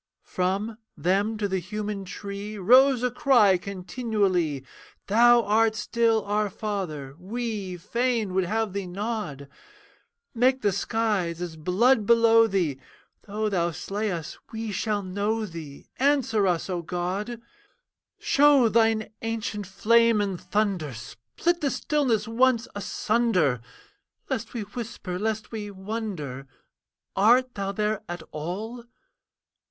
From, them to the human tree Rose a cry continually, 'Thou art still, our Father, we Fain would have thee nod. Make the skies as blood below thee, Though thou slay us, we shall know thee. Answer us, O God! 'Show thine ancient flame and thunder, Split the stillness once asunder, Lest we whisper, lest we wonder Art thou there at all?'